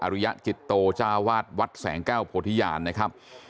อรุยจิตโตจาวาสวัดแสงเก้าโพธิยานนะครับ